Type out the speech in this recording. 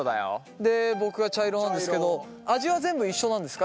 で僕が茶色なんですけど味は全部一緒なんですか？